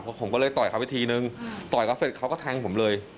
ผมก็เลยต่อยเขาไปทีนึงต่อยเขาเสร็จเขาก็แทงผมเลย